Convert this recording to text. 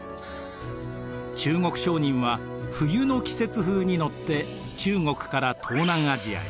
中国商人は冬の季節風に乗って中国から東南アジアへ。